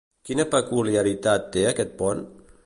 Quina peculiaritat té aquest pont?